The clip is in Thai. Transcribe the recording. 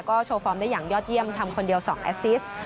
ก็โชว์ฟอร์มได้อย่างยอดเยี่ยมทำคนเดียว๒แอสซิส